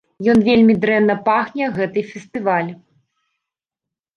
Ён вельмі дрэнна пахне гэты фестываль.